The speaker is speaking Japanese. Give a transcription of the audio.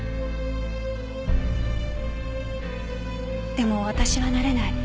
でも私は慣れない。